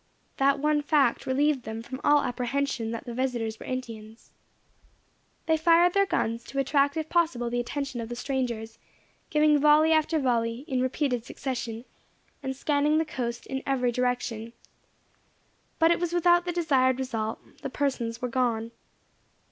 That one fact relieved them from all apprehension that the visitors were Indians. They fired their guns, to attract if possible the attention of the strangers; giving volley after volley, in repeated succession, and scanning the coast in every direction; but it was without the desired result the persons were gone.